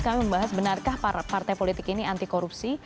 kami membahas benarkah partai politik ini anti korupsi